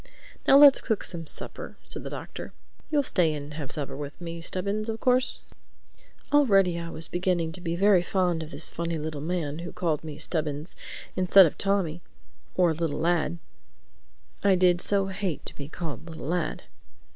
"Now let's cook some supper," said the Doctor.—"You'll stay and have supper with me, Stubbins, of course?" Already I was beginning to be very fond of this funny little man who called me "Stubbins," instead of "Tommy" or "little lad" (I did so hate to be called "little lad"!)